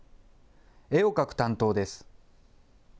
絵を描く担当です